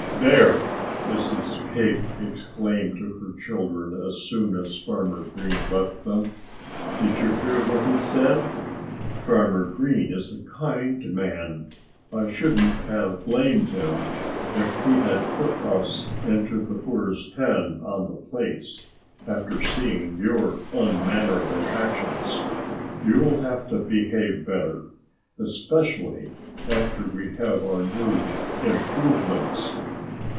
"There!" Mrs. Pig exclaimed to her children as soon as Farmer Green left them. "Did you hear what he said? Farmer Green is a kind man. I shouldn't have blamed him if he had put us into the poorest pen on the place, after seeing your unmannerly actions. You'll have to behave better especially after we have our new improvements."